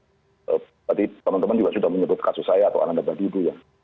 berarti teman teman juga sudah menyebut kasus saya atau ananda pak widjo ya